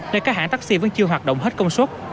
nên các hãng taxi vẫn chưa hoạt động hết công suất